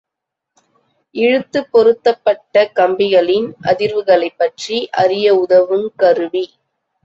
இழுத்துப் பொருத்தப்பட்ட கம்பிகளின் அதிர்வுகளைப் பற்றி அறிய உதவுங் கருவி.